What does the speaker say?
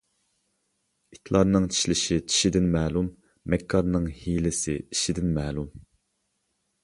ئىتلارنىڭ چىشلىشى چىشىدىن مەلۇم، مەككارنىڭ ھىيلىسى ئىشىدىن مەلۇم.